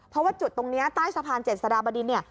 เพราะว่าจุดตรงนี้ใต้สะพานเจ็ดสะดาบดิน